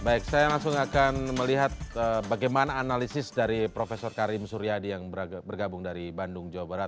baik saya langsung akan melihat bagaimana analisis dari prof karim suryadi yang bergabung dari bandung jawa barat